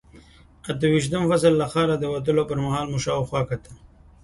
اته ویشتم فصل، له ښاره د وتلو پر مهال مو شاوخوا کتل.